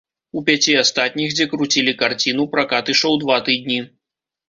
У пяці астатніх, дзе круцілі карціну, пракат ішоў два тыдні.